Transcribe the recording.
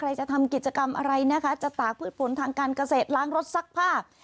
จะทำกิจกรรมอะไรนะคะจะตากพืชผลทางการเกษตรล้างรถซักผ้า